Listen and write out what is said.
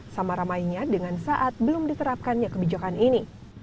sama ramainya dengan saat belum diterapkannya kebijakan ini